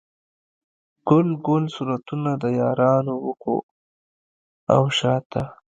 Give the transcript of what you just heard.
ګل ګل صورتونه، د یارانو و خواو شاته